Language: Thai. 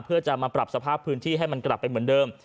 เพื่อจะมาปรับสภาพพื้นที่ให้มันกลับไปเหมือนเดิม